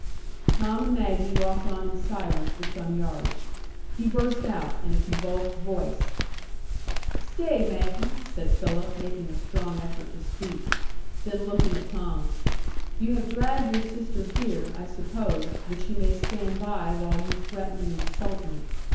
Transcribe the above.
Tom and Maggie walked on in silence for some yards. He burst out, in a convulsed voice. "Stay, Maggie!" said Philip, making a strong effort to speak. Then looking at Tom, "You have dragged your sister here, I suppose, that she may stand by while you threaten and insult me.